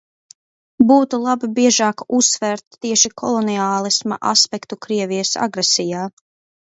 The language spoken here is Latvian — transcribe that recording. Būtu labi biežāk uzsvērt tieši koloniālisma aspektu Krievijas agresijā.